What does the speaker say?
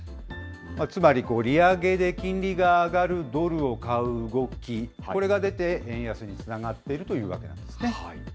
つまり利上げで金利が上がるドルを買う動き、これが出て、円安につながっているというわけなんですね。